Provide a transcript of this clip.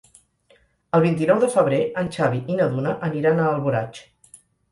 El vint-i-nou de febrer en Xavi i na Duna aniran a Alboraig.